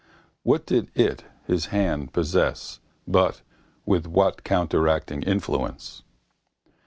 What quality did it (his hand) possess but with what counteracting influence?